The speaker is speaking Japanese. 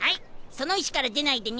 その石から出ないでね。